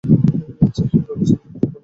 আচ্ছা হেম, রমেশ তোমাকে কোনো কারণ বলে নাই?